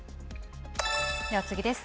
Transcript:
では次です。